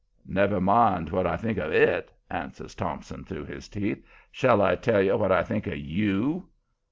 "Never mind what I think of IT," answers Thompson, through his teeth. "Shall I tell you what I think of YOU?"